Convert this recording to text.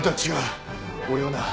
俺はな